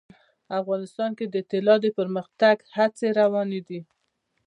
افغانستان کې د طلا د پرمختګ هڅې روانې دي.